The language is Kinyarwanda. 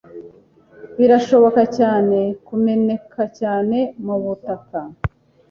Birashoboka cyane kumeneka cyane mubutaka